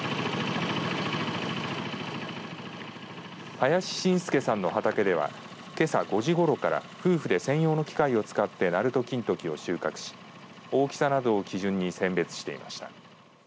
林伸介さんの畑ではけさ５時ごろから夫婦で専用の機械を使ってなると金時を収穫し大きさなどを基準に選別していました。